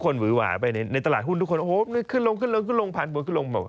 ในตลาดหุ้นทุกคนขึ้นลงขึ้นลงขึ้นลงผ่านผ่วนขึ้นลง